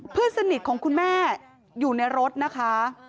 เพื่อนสนิทของคุณแม่อยู่ในรถนะคะ